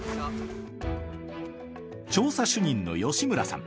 調査主任の吉村さん。